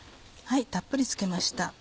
はいたっぷり付けました。